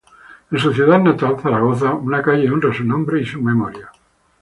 En su ciudad natal, Zaragoza, una calle honra su nombre y su memoria.